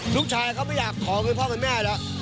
ลูกชายเขาไม่อยากขอเป็นพ่อเป็นแม่แล้ว